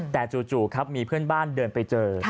แต่จู่ครับมีเพื่อนบ้านเดินไปเจอ